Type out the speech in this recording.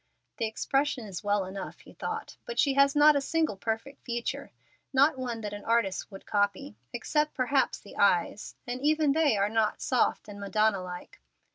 "The expression is well enough," he thought, "but she has not a single perfect feature not one that an artist would copy, except perhaps the eyes, and even they are not soft and Madonna like."